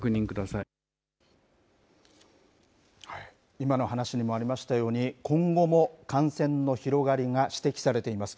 今の話にもありましたように、今後も感染の広がりが指摘されています。